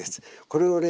これをね